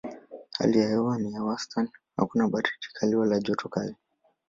Hali ya hewa ni ya wastani: hakuna baridi kali wala joto kali.